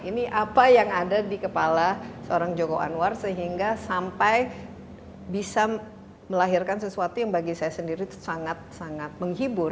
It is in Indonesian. ini apa yang ada di kepala seorang joko anwar sehingga sampai bisa melahirkan sesuatu yang bagi saya sendiri sangat sangat menghibur